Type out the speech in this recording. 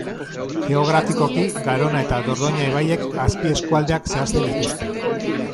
Geografikoki, Garona eta Dordoina ibaiek azpieskualdeak zehazten dituzte.